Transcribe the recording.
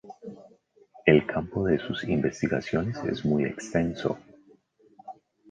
El campo de sus investigaciones es muy extenso.